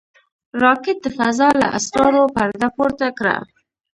راکټ د فضا له اسرارو پرده پورته کړه